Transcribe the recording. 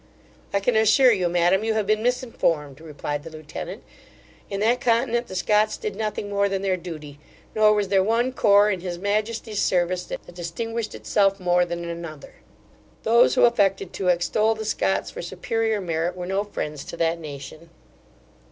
'I can assure you, madam, you have been misinformed (replied the lieutenant); in that continent the Scots did nothing more than their duty, nor was there one corps in his majesty's service that distinguished itself more than another. Those who affected to extol the Scots for superior merit, were no friends to that nation.